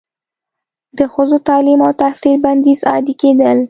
د ښځو تعلیم او تحصیل بندیز عادي کیدل